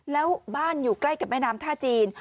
แล้วบ้านอยู่ใกล้กับแม่น้ำท่าจีน